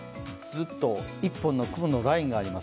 一本の雲のラインがあります